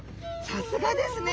さすがですね。